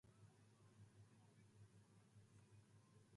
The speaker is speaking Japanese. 袖を切ります、レシキ。